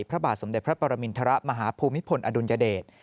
พระบาทสมเด็จพระปรมินทรมาฮภูมิพลอดุลยเดช